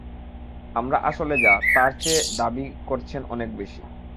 আমরা আসলে যা, তার চেয়ে দাবি করছেন অনেক বেশি।